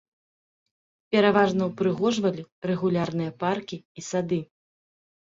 Пераважна ўпрыгожвалі рэгулярныя паркі і сады.